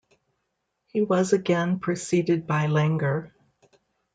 He was again preceded by Langer.